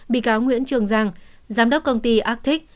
bị cáo nguyễn trường giang giám đốc công ty actic